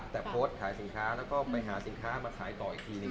แต่โพสต์ขายสินค้าแล้วก็ไปหาสินค้ามาขายต่ออีกทีหนึ่ง